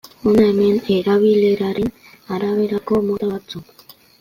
Hona hemen erabileraren araberako mota batzuk.